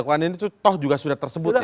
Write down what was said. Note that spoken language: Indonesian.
nah perdaguan ini tuh toh juga sudah tersebut ya